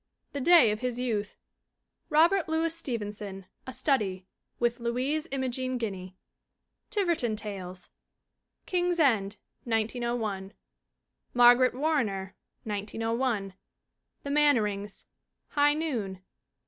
The Day of His Youth. Robert Louis Stevenson A Study (with Louise Imogen Guiney). Tiverton Tales. King's End, 1901. Margaret Warrener, 1901. The Mannerings. High Noon.